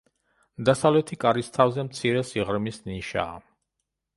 დასავლეთი კარის თავზე მცირე სიღრმის ნიშაა.